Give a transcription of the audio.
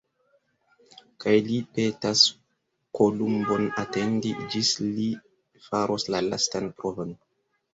Kaj li petas Kolumbon atendi, ĝis li faros la lastan provon.